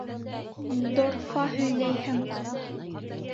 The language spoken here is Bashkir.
Дорфа һөйләйһең!